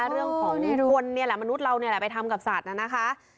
เรื่องของคนแหละมนุษย์เราไปทำกับสัตว์นะคะ